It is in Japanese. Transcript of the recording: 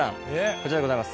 こちらでございます。